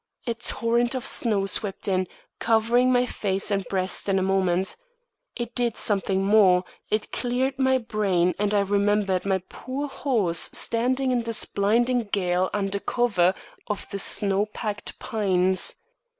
A torrent of snow swept in, covering my face and breast in a moment. It did something more: it cleared my brain, and I remembered my poor horse standing in this blinding gale under cover of the snow packed pines.